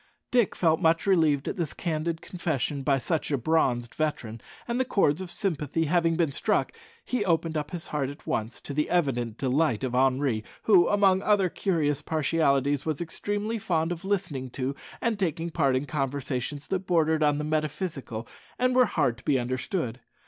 Dick felt much relieved at this candid confession by such a bronzed veteran, and, the chords of sympathy having been struck, he opened up his heart at once, to the evident delight of Henri, who, among other curious partialities, was extremely fond of listening to and taking part in conversations that bordered on the metaphysical, and were hard to be understood.